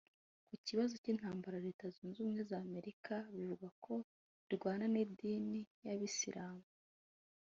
Ku kibazo cy’intambara Leta Zunze Ubumwe z’Amerika bivugwa ko irwana n’idini y’abayisiramu